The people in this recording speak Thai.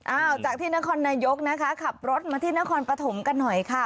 อ้าวจากที่นครนายกนะคะขับรถมาที่นครปฐมกันหน่อยค่ะ